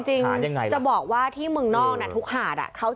จริงจะบอกว่าที่เมืองนอกทุกหาด